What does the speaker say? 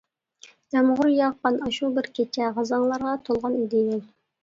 يامغۇر ياغقان ئاشۇ بىر كېچە غازاڭلارغا تولغان ئىدى يول.